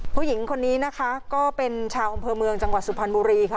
ผู้หญิงคนนี้นะคะก็เป็นชาวอำเภอเมืองจังหวัดสุพรรณบุรีค่ะ